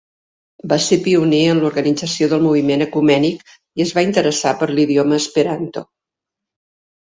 Va ser pioner en l'organització del moviment ecumènic i es va interessar per l'idioma esperanto.